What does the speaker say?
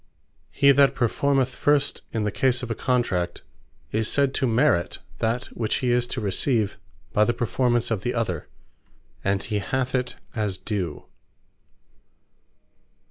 Merit What He that performeth first in the case of a Contract, is said to MERIT that which he is to receive by the performance of the other; and he hath it as Due.